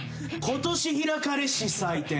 今年開かれし祭典。